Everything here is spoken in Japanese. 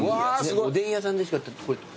おでん屋さんでしか。